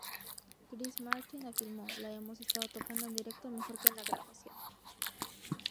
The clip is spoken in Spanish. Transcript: Chris Martin afirmó: "La hemos estado tocando en directo mejor que en la grabación.